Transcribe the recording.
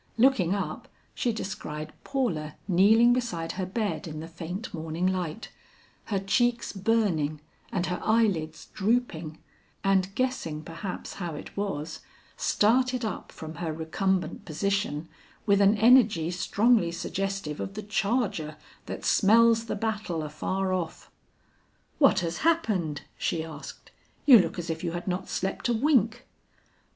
Looking up, she descried Paula kneeling beside her bed in the faint morning light, her cheeks burning, and her eyelids drooping; and guessing perhaps how it was, started up from her recumbent position with an energy strongly suggestive of the charger, that smells the battle afar off. "What has happened?" she asked. "You look as if you had not slept a wink."